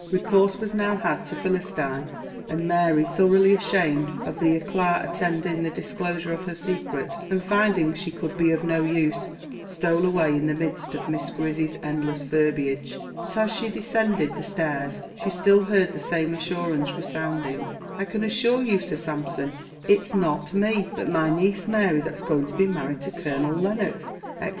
Recourse was now had to Philistine; and Mary, thoroughly ashamed of the éclat attending the disclosure of her secret, and finding she could be of no use, stole away in the midst of Miss Grizzy's endless verbiage, but as she descended the stairs she still heard the same assurance resounding "I can assure you, Sir Sampson, it's not me, but my niece Mary that's going to be married to Colonel Lennox," etc.